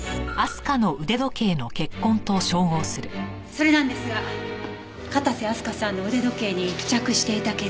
それなんですが片瀬明日香さんの腕時計に付着していた血液は。